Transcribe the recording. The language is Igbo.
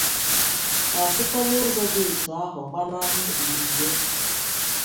ma sikwa n'ụzọ dị otu ahụ gbanahị mbize